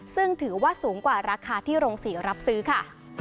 ซึ่งถือว่าสูงกว่าราคาที่โรงศรีรับซื้อค่ะ